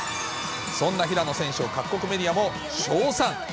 そんな平野選手を各国メディアも称賛。